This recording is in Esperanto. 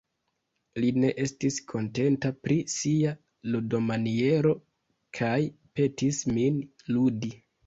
Li ne estis kontenta pri sia ludomaniero kaj petis min ludi.